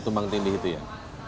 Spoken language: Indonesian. tumpang tindih itu ya